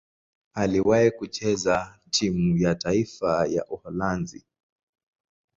Aliwahi kucheza timu ya taifa ya Uholanzi.